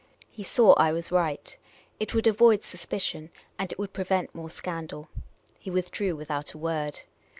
He saw I was right. It would avoid suspicion, and it would prevent more scandal. He withdrew without a word.